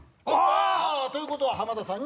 ということは浜田さんに。